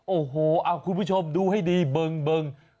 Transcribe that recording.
โอ้โหคุณผู้ชมดูให้ดีเบิง